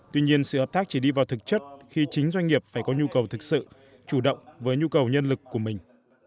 tuy nhiên sự hợp tác chỉ đi vào thực chất khi chính doanh nghiệp phải có nhu cầu thực sự chủ động với nhu cầu nhân lực của mình